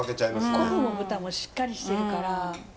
昆布も豚もしっかりしてるから。